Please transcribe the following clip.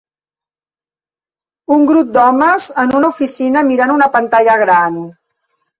Un grup d'homes en una oficina mirant una pantalla gran.